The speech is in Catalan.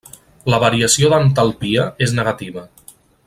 La variació d'entalpia és negativa.